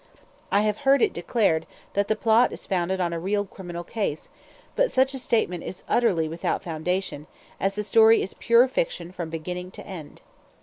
I have heard it declared that the plot is founded on a real criminal case; but such a statement is utterly without foundation, as the story is pure fiction from beginning to end.